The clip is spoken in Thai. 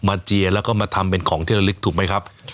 เจียแล้วก็มาทำเป็นของเที่ยวลึกถูกไหมครับ